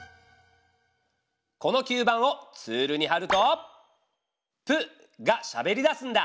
この吸盤をツールにはると「プ」がしゃべりだすんだ。